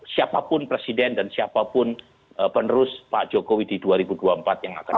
siapapun presiden dan siapapun penerus pak jokowi di dua ribu dua puluh empat yang akan datang